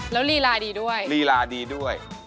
แล้วลีลาดีด้วยลีลาดีด้วย